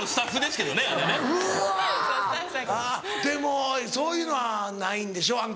でもそういうのはないんでしょ？